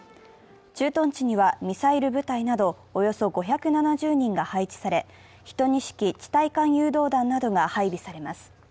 駐屯地にはミサイル部隊などおよそ５７０人が配置され、１２式地対艦誘導弾などが配備されます。